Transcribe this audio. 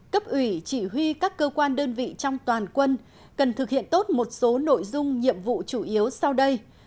cấp ủy chỉ huy các cơ quan đơn vị trong toàn quân cần thực hiện tốt một số nội dung nhiệm vụ chủ yếu sau đây